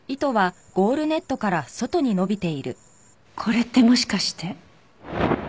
これってもしかして。